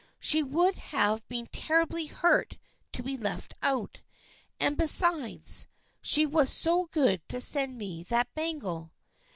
She would have been terribly hurt to be left out, and besides, she was so good to send me that bangle."